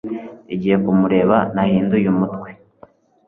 igihe kumureba nahinduye umutwe